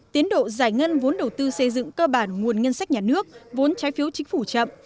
tiến độ giải ngân vốn đầu tư xây dựng cơ bản nguồn ngân sách nhà nước vốn trái phiếu chính phủ chậm